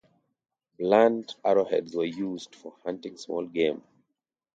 Blunt arrowheads were used for hunting small game.